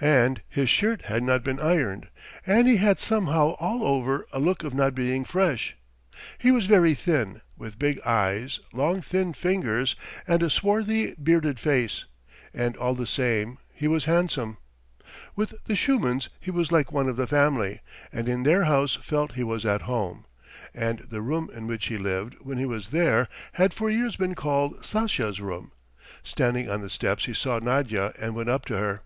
And his shirt had not been ironed and he had somehow all over a look of not being fresh. He was very thin, with big eyes, long thin fingers and a swarthy bearded face, and all the same he was handsome. With the Shumins he was like one of the family, and in their house felt he was at home. And the room in which he lived when he was there had for years been called Sasha's room. Standing on the steps he saw Nadya, and went up to her.